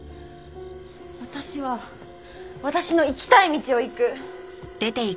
私は私の行きたい道を行く！